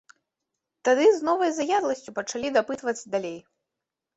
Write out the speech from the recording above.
Тады з новай заядласцю пачалі дапытваць далей.